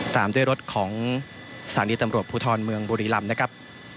ตามด้วยรถของสถานีตำรวจภูทรเมืองบุรีลำนะครับ